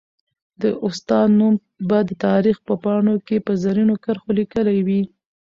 د استاد نوم به د تاریخ په پاڼو کي په زرینو کرښو ليکلی وي.